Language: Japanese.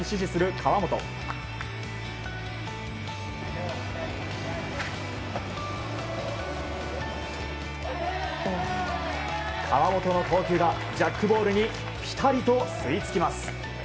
河本の投球がジャックボールにぴたりと吸い付きます。